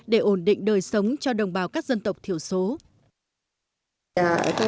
để ổn định đời sống cho đồng bào các dân tộc thiểu số